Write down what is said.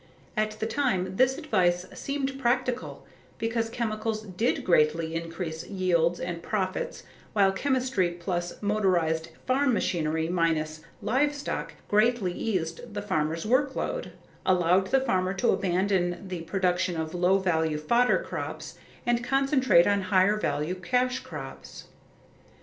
At the time this advice seemed practical because chemicals did greatly increase yields and profits while chemistry plus motorized farm machinery minus livestock greatly eased the farmer's workload, allowed the farmer to abandon the production of low value fodder crops, and concentrate on higher value cash crops.